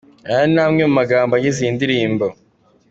" Ayo ni amwe mu magambo agize iyi ndirimbo.